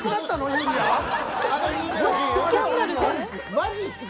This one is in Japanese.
マジすか！